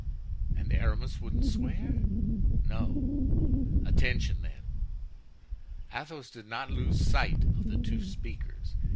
"And Aramis wouldn't swear?" "No." "Attention, then!" Athos did not lose sight of the two speakers.